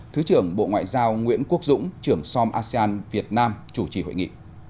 thứ trưởng bộ ngoại giao nguyễn quốc dũng trưởng som asean việt nam chủ trì hội nghị